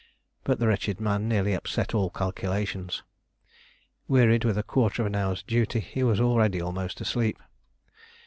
But the wretched man nearly upset all calculations. Wearied with a quarter of an hour's duty, he was already almost asleep.